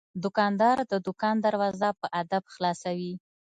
دوکاندار د دوکان دروازه په ادب خلاصوي.